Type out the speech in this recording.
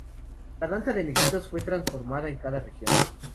La danza de negritos fue transformada en cada región.